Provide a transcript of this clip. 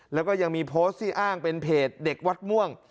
แล้วก็ยังมีโพสต์ที่อ้างเป็นเพจเด็กวัดม่วง